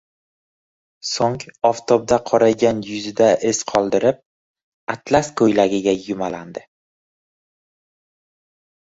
soʼng oftobda qoraygan yuzida iz qoldirib, atlas koʼylagiga yumaladi